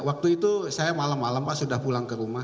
waktu itu saya malam malam pak sudah pulang ke rumah